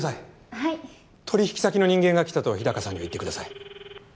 はい取り引き先の人間が来たと日高さんには言ってください